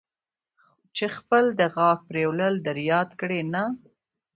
چې خپل د غاښ پرېولل در یاد کړي، نه.